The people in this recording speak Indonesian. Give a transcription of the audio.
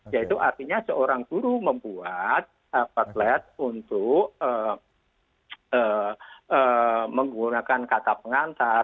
yaitu artinya seorang guru membuat outlet untuk menggunakan kata pengantar